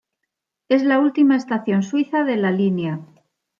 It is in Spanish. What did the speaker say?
Es la última estación suiza de la línea.